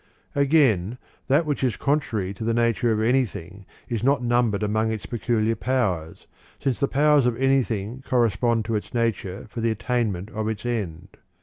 1. Again, that which is contrary to the 1 ture of anything is not numbered among its peculiar powers, since the powers of anything correspond to its nature for the attainment of its end.'